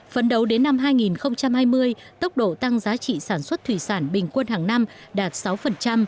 phấn đấu đến năm hai nghìn hai mươi tốc độ tăng giá trị sản xuất thủy sản bình quân hàng năm đạt sáu